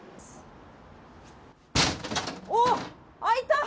おっ、開いた。